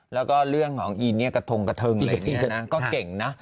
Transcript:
แล้วก็เรื่องของอินเนี่ยกระทงกระเทิงอะไรอย่างนี้ก็เก่งนะ